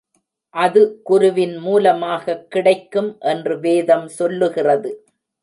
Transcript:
அது குருவின் மூலமாகக் கிடைக்கும் என்று வேதம் சொல்லுகிறது.